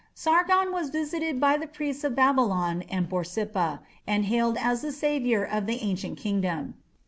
Sargon was visited by the priests of Babylon and Borsippa, and hailed as the saviour of the ancient kingdom.